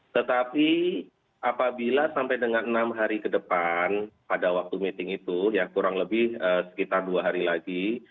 tetapi apabila sampai dengan enam hari ke depan pada waktu meeting itu ya kurang lebih sekitar dua hari lagi